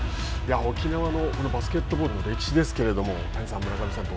沖縄のバスケットボールの歴史ですけれども谷さん、村上さん